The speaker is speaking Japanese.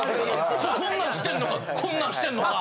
こんなんしてんのかこんなんしてんのが。